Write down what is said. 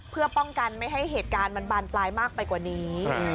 เพื่อป้องกันไม่ให้เหตุการณ์มันบานปลายมากไปกว่านี้